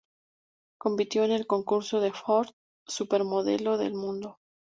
Compitió en el concurso de Ford, "Supermodelo del Mundo".